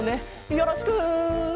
よろしく。